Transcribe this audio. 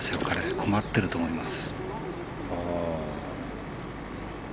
困っていると思います。